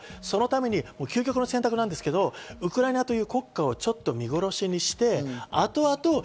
そのために究極の選択ですけど、ウクライナという国家をちょっと見殺しにしてあとあと